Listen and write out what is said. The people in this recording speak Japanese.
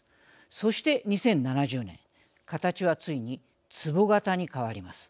そして、２０７０年形はついにつぼの形に変わります。